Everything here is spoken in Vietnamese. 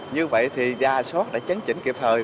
như vậy thì ra sót để chấn chỉnh kịp thời